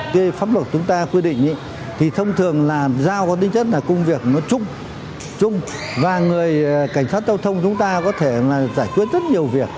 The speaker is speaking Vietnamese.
cái pháp luật chúng ta quy định thì thông thường là giao có tính chất là công việc nó chung và người cảnh sát giao thông chúng ta có thể giải quyết rất nhiều việc